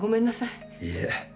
いいえ。